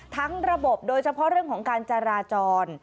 ระบบโดยเฉพาะเรื่องของการจราจร